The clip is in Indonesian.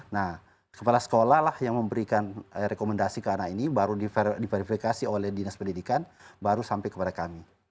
nah kepala sekolah lah yang memberikan rekomendasi ke anak ini baru diverifikasi oleh dinas pendidikan baru sampai kepada kami